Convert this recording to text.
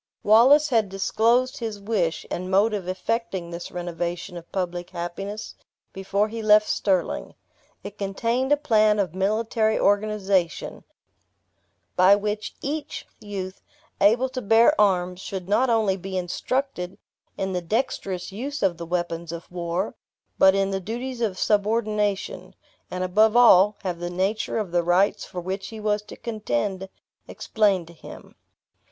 Wallace had disclosed his wish, and mode of effecting this renovation of public happiness, before he left Stirling. It contained a plan of military organization, by which each youth, able to bear arms, should not only be instructed in the dexterous use of the weapons of war, but in the duties of subordination, and above all, have the nature of the rights for which he was to contend explained to him.